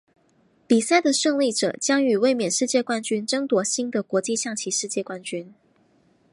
比赛的胜利者将与卫冕世界冠军争夺新的国际象棋世界冠军。